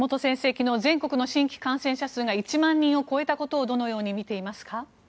昨日全国の新規感染者数が１万人を超えたことをどのように見ていますか。